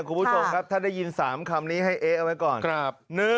คุณผู้ชมครับถ้าได้ยิน๓คำนี้ให้เอ๊ะเอาไว้ก่อน